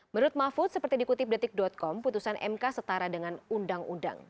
menurut mahfud seperti dikutip detik com putusan mk setara dengan undang undang